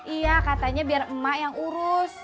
iya katanya biar emak yang urus